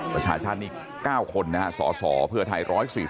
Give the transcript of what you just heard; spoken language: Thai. ประชาชาตินี่๙คนนะฮะสสเพื่อไทย๑๔๐